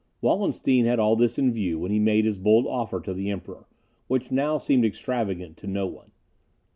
Wallenstein had all this in view when he made his bold offer to the Emperor, which now seemed extravagant to no one.